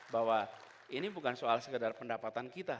bahwa ini bukan soal sekedar pendapatan kita